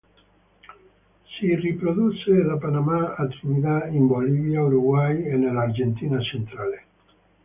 Si riproduce da Panama a Trinidad, in Bolivia, Uruguay e nell'Argentina centrale.